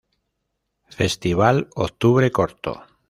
Festival Octubre Corto